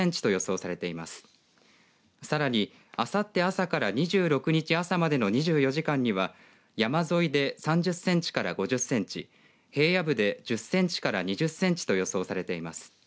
さらに、あさって朝から２６日朝までの２４時間には山沿いで３０センチから５０センチ平野部で１０センチから２０センチと予想されています。